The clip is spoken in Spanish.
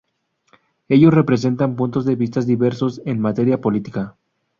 Ellos representan puntos de vista diversos en materia política.